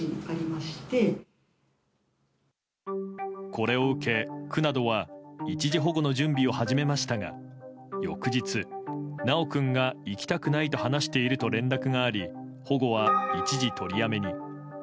これを受け、区などは一時保護の準備を始めましたが翌日、修君が行きたくないと話していると連絡があり保護は一時取りやめに。